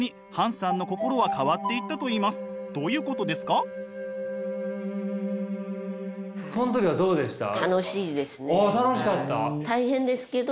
そん時はどうでした？